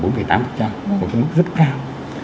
một cái mức rất cao